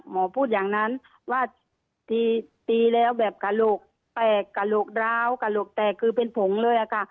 หมอพูดอย่างนั้นว่าตีแล้วแบบกระโหลกแตกกระโหลกร้าวกระโหลกแตกคือเป็นผงเลยอะค่ะ